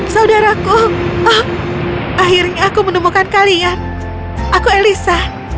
saudaraku akhirnya aku menemukan kalian aku elisa